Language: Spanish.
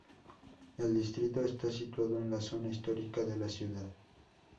El distrito está situado en la zona histórica de la ciudad.